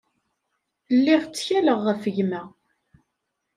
Lliɣ ttkaleɣ ɣef gma.